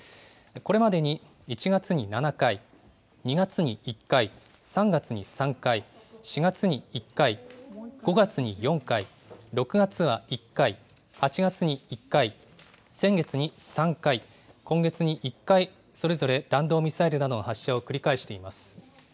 これまでに１月に７回、２月に１回、３月に３回、４月に１回、５月に４回、６月は１回、８月に１回、先月に３回、今月に１回それぞれ弾道ミサイルなどの発射を繰り返しています。